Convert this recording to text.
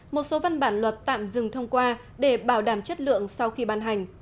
một số văn bản luật tạm dừng thông qua để bảo đảm chất lượng sau khi ban hành